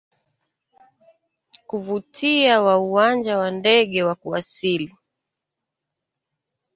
kuvutia wa uwanja wa ndege wa kuwasili